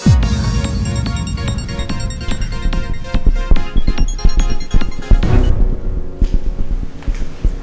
harapan buat kamu